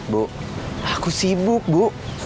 bu aku sibuk bu